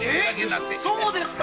そうですか。